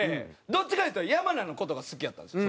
どっちかっていったら山名の事が好きやったんです